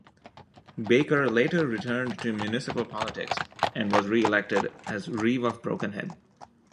Baker later returned to municipal politics, and was re-elected as reeve of Brokenhead.